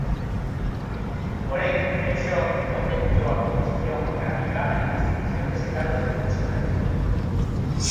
Porén, Feixóo non debullou a composición, organigrama nin distribución dese cadro de profesionais.